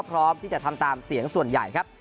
สมุทรสอนยังแข็งแรง